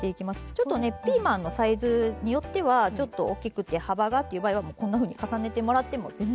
ちょっとねピーマンのサイズによってはちょっと大きくて幅がっていう場合はこんなふうに重ねてもらっても全然巻けるので。